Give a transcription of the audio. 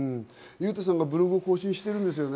裕太さんがブログを更新しているんですよね。